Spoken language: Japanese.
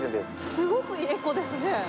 すごくエコですね。